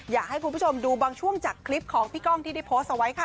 อยากให้คุณผู้ชมดูบางช่วงจากคลิปของพี่ก้องที่ได้โพสต์เอาไว้ค่ะ